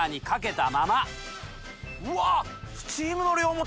うわっ！